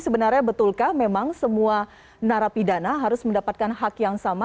sebenarnya betulkah memang semua narapidana harus mendapatkan hak yang sama